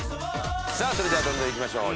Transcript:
それではどんどんいきましょう。